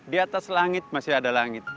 di atas langit masih ada langit